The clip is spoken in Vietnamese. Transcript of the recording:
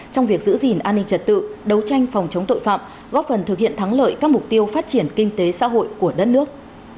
trong việc giữ gìn an ninh trật tự đấu tranh phòng chống tội phạm góp phần thực hiện thắng lợi các mục tiêu phát triển kinh tế xã hội của đất nước